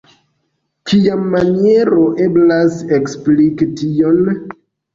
Kiamaniere eblas ekspliki tion?